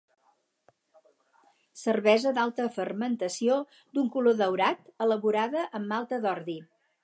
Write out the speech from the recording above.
Cervesa d'alta fermentació, d'un color daurat, elaborada amb malta d'ordi.